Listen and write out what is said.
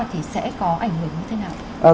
thì sẽ có ảnh hưởng như thế nào